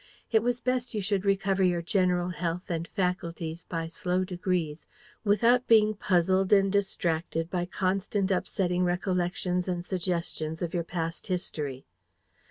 It was best you should recover your general health and faculties by slow degrees, without being puzzled and distracted by constant upsetting recollections and suggestions of your past history.